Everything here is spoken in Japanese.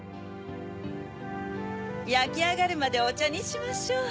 やきあがるまでおちゃにしましょう。